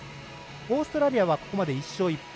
オーストラリアはここまで１勝１敗。